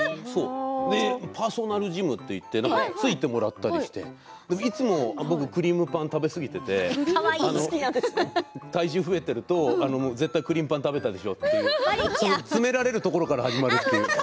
パーソナルジムといってついてもらったりしていつもクリームパンを食べ過ぎていて体重増えていると絶対クリームパン食べたでしょって詰められるところから始まるという。